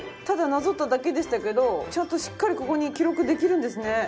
ただなぞっただけでしたけどちゃんとしっかりここに記録できるんですね。